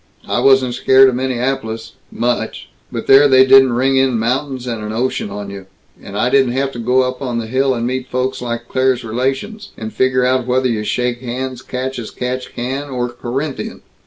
I wasn't scared of Minneapolis much but there they didn't ring in mountains and an ocean on you. And I didn't have to go up on the hill and meet folks like Claire's relations, and figure out whether you shake hands catch as catch can or Corinthian.